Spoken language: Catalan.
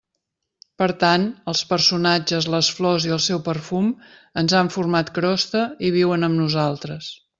Per tant, els personatges, les flors i el seu perfum ens han format crosta i viuen amb nosaltres.